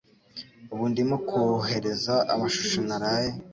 Ubu ndimo kohereza amashusho naraye.